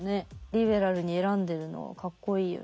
リベラルに選んでるのかっこいいよね。